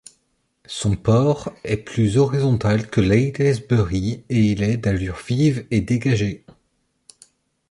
Son port est plus horizontal que l'aylesbury et il est d'allure vive et dégagée.